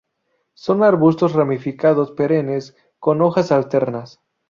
Son arbustos ramificados perennes con hojas alternas.